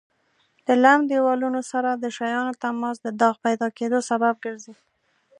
د لمد دېوالونو سره د شیانو تماس د داغ پیدا کېدو سبب ګرځي.